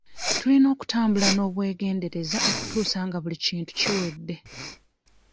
Tulina okutambula n'obwegendereza okutuusa nga buli kintu kiwedde.